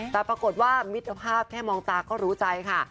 แต่ปรากฏว่ามิตรภาพแค่มองตาก็รู้ใจค่ะ